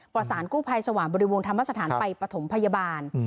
ประสานกู้ภัยสวรรค์บริวงธรรมสถานไปปฐมพยาบาล